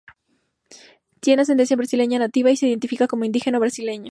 Tiene ascendencia brasileña nativa y se identifica como indígena brasileño.